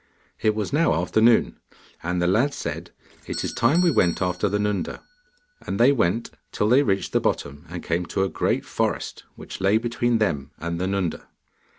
It was now afternoon, and the lad said: 'It is time we went after the Nunda.' And they went till they reached the bottom and came to a great forest which lay between them and the Nunda.